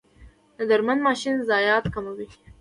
د درمند ماشین ضایعات کموي؟